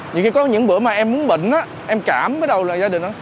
nhiều khi có những bữa mà em muốn bệnh em cảm bắt đầu là gia đình đó